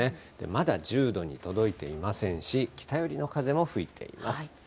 まだ１０度に届いていませんし、北寄りの風も吹いています。